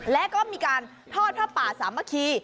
และก็มีการทอดผ้าป่าสามัคคี